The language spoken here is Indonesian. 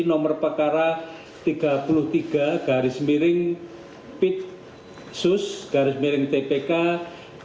nomor perkara tiga puluh tiga garis miring pit sus garis miring tpk garis miring dua ribu delapan belas